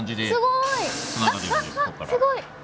すごい。